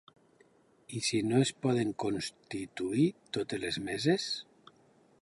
I si no es poden constituir totes les meses?